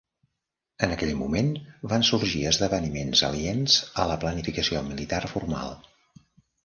En aquell moment, van sorgir esdeveniments aliens a la planificació militar formal.